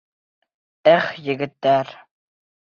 Эх, егеттәр!